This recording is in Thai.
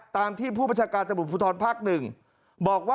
ตามที่ผู้ประชาการสมุทรพุทธลพัก๑